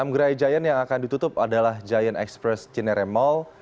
enam gerai giant yang akan ditutup adalah giant express general mall